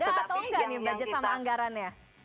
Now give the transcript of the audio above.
ada atau nggak nih budget sama anggarannya